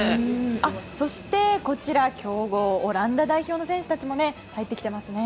そして、こちら強豪オランダ代表の選手たちも入ってきてますね。